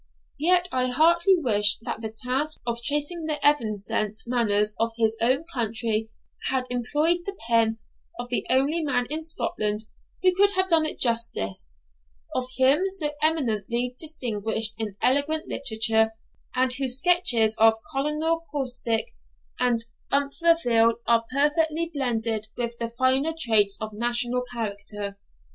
Yet I heartily wish that the task of tracing the evanescent manners of his own country had employed the pen of the only man in Scotland who could have done it justice of him so eminently distinguished in elegant literature, and whose sketches of Colonel Caustic and Umphraville are perfectly blended with the finer traits of national character.